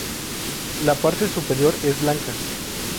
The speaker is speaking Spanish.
La parte superior es blanca.